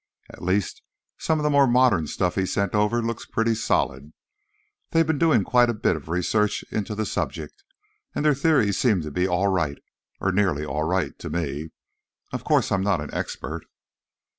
At least, some of the more modern stuff he sent over looks pretty solid. They've been doing quite a bit of research into the subject, and their theories seem to be all right, or nearly all right, to me. Of course, I'm not an expert."